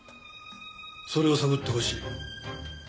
それを探ってほしい。